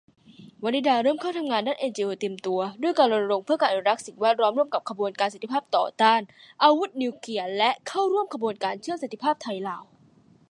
วนิดาเริ่มเข้ามาทำงานด้านเอ็นจีโอเต็มตัว ด้วยการรณรงค์เพื่อการอนุรักษ์สิ่งแวดล้อมร่วมกับขบวนการสันติภาพต่อต้าน อาวุธนิวเคลียร์ และเข้าร่วมขบวนการเชื่อมสันติภาพไทยลาว